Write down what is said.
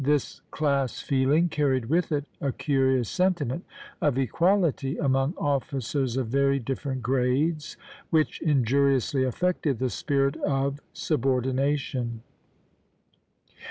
This class feeling carried with it a curious sentiment of equality among officers of very different grades, which injuriously affected the spirit of subordination.